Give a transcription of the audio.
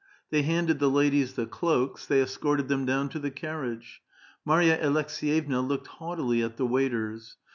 They handed the ladies the cloaks ; they escorted them down to the caiTiage. Marya Aleks^yevna looked haughtily at the waiters.